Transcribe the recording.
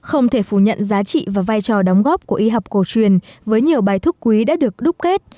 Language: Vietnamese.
không thể phủ nhận giá trị và vai trò đóng góp của y học cổ truyền với nhiều bài thuốc quý đã được đúc kết